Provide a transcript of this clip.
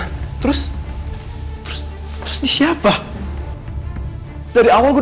kita berhutang seang